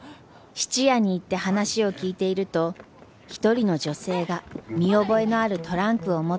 質屋に行って話を聞いていると一人の女性が見覚えのあるトランクを持って駆け込んできました。